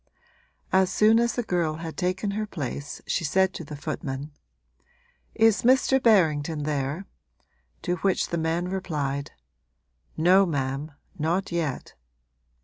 As soon as the girl had taken her place she said to the footman: 'Is Mr. Berrington there?' to which the man replied: 'No ma'am, not yet.'